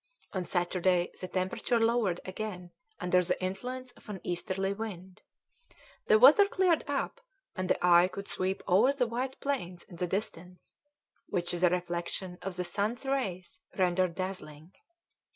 On Saturday the temperature lowered again under the influence of an easterly wind. The weather cleared up, and the eye could sweep over the white plains in the distance, which the reflection of the sun's rays rendered dazzling.